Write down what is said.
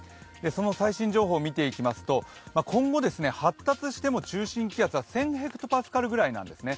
その最新情報を見ていきますと今後、発達しても中心気圧は１０００ｈＰａくらいなんですね。